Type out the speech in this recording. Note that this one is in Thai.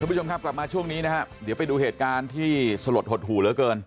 ผู้ชมครับกลับมาช่วงนี้นะครับเดี๋ยวไปดูเหตุการณ์ที่สลดหดหู่เหลือเกิน